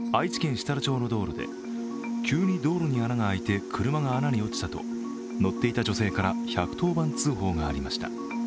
設楽町の道路で急に道路に穴が開いて車が穴に落ちたと乗っていた女性から１１０番通報がありました。